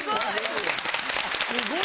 すごい！